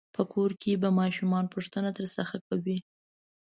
په کور کې به ماشومان پوښتنه درڅخه کوي.